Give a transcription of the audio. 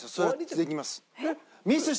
続きます。